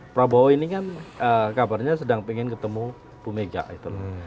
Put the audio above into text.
prabowo ini kan kabarnya sedang pengen ketemu ibu megawati